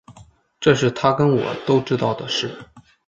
这是他跟我都知道的事